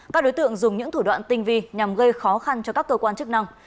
các đối tượng dùng những thủ đoạn tinh vi nhằm gây khó khăn cho các cơ quan chức năng